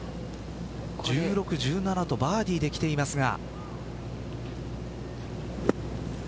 １６、１７とバーディーできていますが。